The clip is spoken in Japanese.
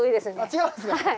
違うんですか？